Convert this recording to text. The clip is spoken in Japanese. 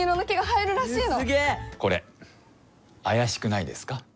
これあやしくないですか？